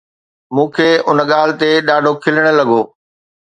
مون کي ان ڳالهه تي ڏاڍو کلڻ لڳو